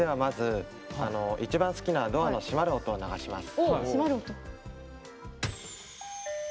一番好きなドアの閉まる音を流します。